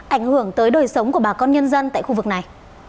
ảnh hưởng tới đời sống của bà con nhân dân tại khu vực này